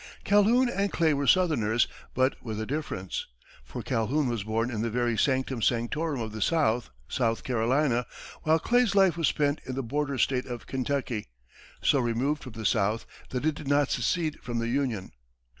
Calhoun and Clay were southerners, but with a difference, for Calhoun was born in the very sanctum sanctorum of the South, South Carolina, while Clay's life was spent in the border state of Kentucky, so removed from the South that it did not secede from the Union.